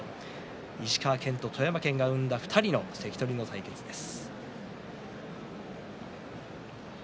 石川県と富山県が生んだ２人の取組です。